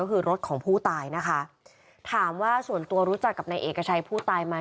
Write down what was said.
ก็คือรถของผู้ตายนะคะถามว่าส่วนตัวรู้จักกับนายเอกชัยผู้ตายไหม